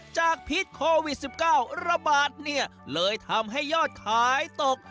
จากพิษโควิดสิบเก้าระบาทเนี่ยเลยทำให้ยอดขายตก